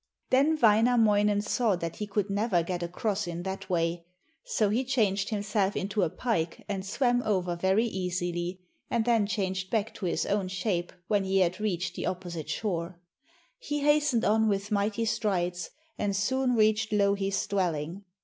Then Wainamoinen saw that he could never get across in that way, so he changed himself into a pike and swam over very easily, and then changed back to his own shape when he had reached the opposite shore. He hastened on with mighty strides, and soon reached Louhi's dwelling.